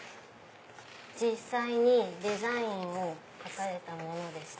実際にデザインを描かれたものでして。